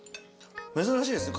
珍しいですね